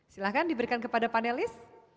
silahkan diberikan kepada panelis